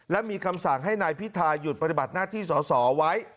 และมีคำสั่งให้นายพิทาหยุดปฏิบัติหน้าที่สอสอไว้